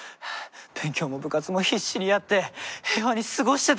勉強も部活も必死にやって平和に過ごしてたのに。